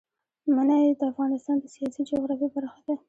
منی د افغانستان د سیاسي جغرافیه برخه ده.